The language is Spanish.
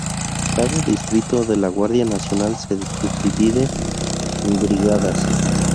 Cada Distrito de la Guardia Nacional se subdivide en Brigadas.